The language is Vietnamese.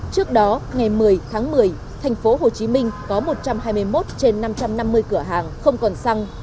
trước đó ngày một mươi tháng một mươi thành phố hồ chí minh có một trăm hai mươi một trên năm trăm năm mươi cửa hàng không còn xăng